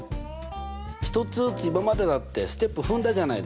一つずつ今までだってステップ踏んだじゃないですか。